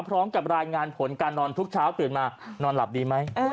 พร้อมกับรายงานผลการนอนทุกเช้าตื่นมานอนหลับดีไหม